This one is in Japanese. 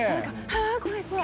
「怖い怖い！」